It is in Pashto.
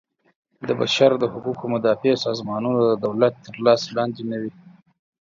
د بشر د حقوقو مدافع سازمانونه د دولت تر لاس لاندې نه وي.